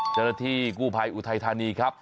เจ้าหน้าที่ครับ